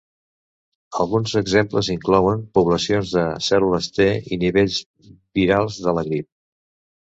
Alguns exemples inclouen poblacions de cèl·lules T i nivells virals de la grip.